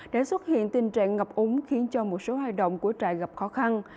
để xuất hiện tình trạng ngập úng khiến cho một số hoạt động của trại gặp khó khăn